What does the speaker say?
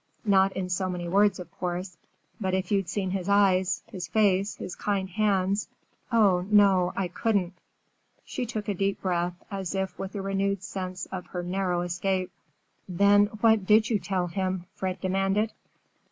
Not in so many words, of course. But if you'd seen his eyes, his face, his kind hands! Oh, no! I couldn't." She took a deep breath, as if with a renewed sense of her narrow escape. "Then, what did you tell him?" Fred demanded.